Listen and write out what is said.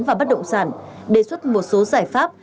và bất động sản đề xuất một số giải pháp